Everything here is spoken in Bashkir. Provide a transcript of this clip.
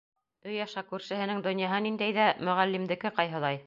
Өй аша күршеһенең донъяһы ниндәй ҙә Мөғәллимдеке ҡайһылай?!